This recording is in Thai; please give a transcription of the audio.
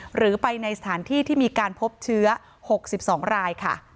หรือไปในสถานที่ที่มีการพบเชื้อ๖๒รายค่ะ